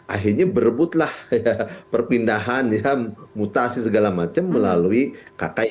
akhirnya berebutlah perpindahan ya mutasi segala macam melalui kki